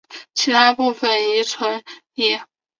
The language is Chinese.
其他部分亦存疑。